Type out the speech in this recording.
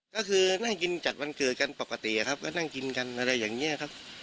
ก็คือนั่งกินจัดวันเกิดกันปกติครับก็นั่งกินกันอะไรอย่างนี้ครับ